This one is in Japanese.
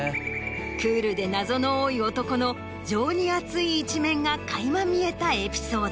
クールで謎の多い男の情に厚い一面が垣間見えたエピソード。